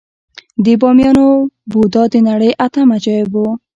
د بامیانو بودا د نړۍ اتم عجایب و